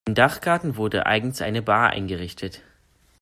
Im Dachgarten wurde eigens eine Bar eingerichtet.